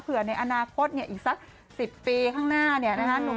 ในอนาคตเนี่ยอีกสัก๑๐ปีข้างหน้าเนี่ยนะคะ